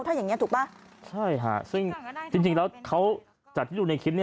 ถ้าอย่างเงี้ถูกป่ะใช่ค่ะซึ่งจริงจริงแล้วเขาจากที่ดูในคลิปนี้